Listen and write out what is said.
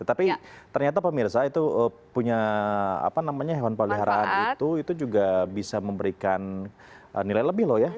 tapi ternyata pemirsa itu punya apa namanya hewan peliharaan itu itu juga bisa memberikan nilai lebih loh ya